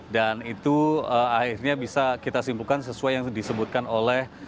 dan itu akhirnya bisa kita simpulkan sesuai yang disebutkan oleh